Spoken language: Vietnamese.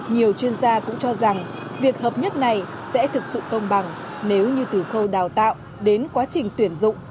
nhiều chuyên gia cũng cho rằng việc hợp nhất này sẽ thực sự công bằng nếu như từ khâu đào tạo đến quá trình tuyển dụng